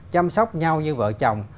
chăm sóc nhau như vợ chồng